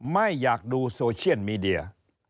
ไม่อยากดูโซเชียลมีเดีย